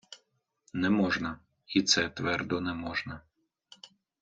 Не можна, і це твердо не можна.